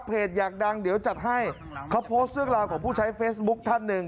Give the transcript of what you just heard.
อยากดังเดี๋ยวจัดให้เขาโพสต์เรื่องราวของผู้ใช้เฟซบุ๊คท่านหนึ่ง